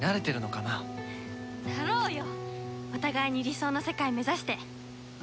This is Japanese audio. なろうよ！お互いに理想の世界目指して。